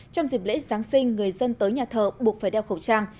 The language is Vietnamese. trong dịp lễ giáng sinh người dân tới nhà thờ buộc phải đeo khẩu trang